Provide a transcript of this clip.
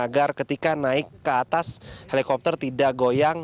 agar ketika naik ke atas helikopter tidak goyang